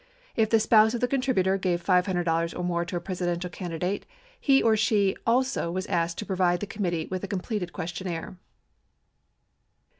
If the spouse of the contributor gave $500 or more to a Presidential candidate, he or she also was asked to provide the committee with a completed questionnaire.